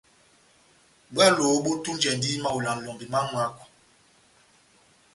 Bwálo bόtunjɛndi mawela lɔmbi má mwako.